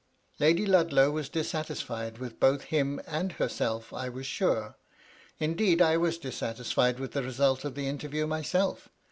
Lady Ludlow was dissatisfied with both him and herself, I was sure. Indeed, I was dissatisfied with the result of the interview myself.